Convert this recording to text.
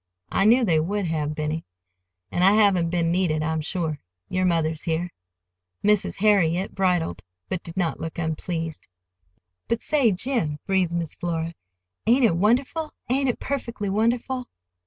"I knew they would have, Benny; and I haven't been needed, I'm sure,—your mother's here." Mrs. Harriet bridled, but did not look unpleased. "But, say, Jim," breathed Miss Flora, "ain't it wonderful—ain't it perfectly wonderful?"